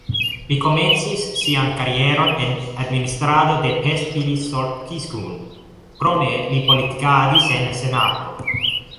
Li komencis sian karieron en administrado de Pest-Pilis-Solt-Kiskun, krome li politikadis en la senato.